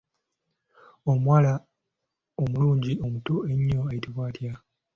Omwana omuwala omuto omulungi ennyo ayitibwa atya?